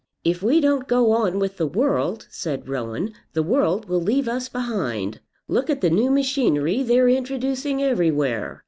"If we don't go on with the world," said Rowan, "the world will leave us behind. Look at the new machinery they're introducing everywhere.